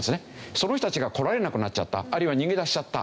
その人たちが来られなくなっちゃったあるいは逃げ出しちゃった。